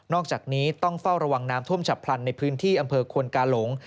อกจากนี้ต้องเฝ้าระวังน้ำท่วมฉับพลันในพื้นที่อำเภอควนกาหลง